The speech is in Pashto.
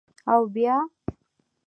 _اوبيا؟